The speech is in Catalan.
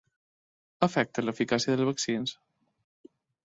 Afecta l’eficàcia dels vaccins?